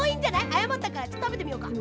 あやまったからちょっとたべてみようか。